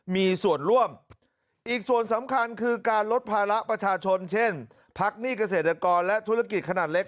มีส่วนร่วมอีกส่วนสำคัญคือการลดภาระประชาชนเช่นพักหนี้เกษตรกรและธุรกิจขนาดเล็ก